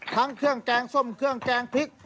ทั้งเครื่องแกงส้มเครื่องแกงพริก